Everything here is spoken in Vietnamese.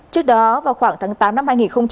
trước đó vào khoảng tháng tám năm hai nghìn một mươi tám